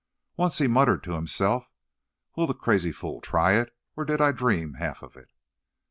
Once he muttered to himself, "Will the crazy fool try it, or did I dream half of it?"